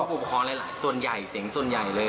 ผู้ปกครองหลายส่วนใหญ่เสียงส่วนใหญ่เลย